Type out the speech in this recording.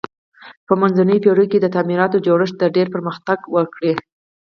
په منځنیو پیړیو کې د تعمیراتو جوړښت ډیر پرمختګ وکړ.